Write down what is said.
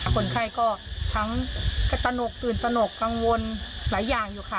คนไข้ก็ทั้งตนกตื่นตนกกังวลหลายอย่างอยู่ค่ะ